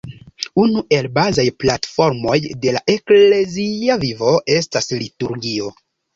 Unu el bazaj platformoj de la eklezia vivo estas liturgio.